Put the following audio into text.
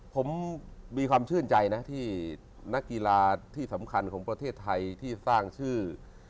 ผมมีความชื่นใจนะที่นักกีฬาที่สำคัญของประเทศไทยที่สร้างชื่อ